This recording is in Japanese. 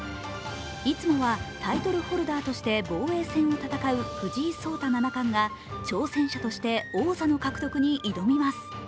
いつもはタイトルホルダーとして防衛戦を戦う藤井聡太七冠が挑戦者として王座の獲得に挑みます。